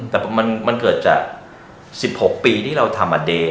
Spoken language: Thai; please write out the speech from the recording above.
แต่มันเกิดจาก๑๖ปีที่เราทำมาเดย์